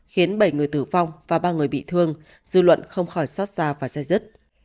khiến bảy người tử vong và ba người bị thương dư luận không khỏi xót xa và dây dứt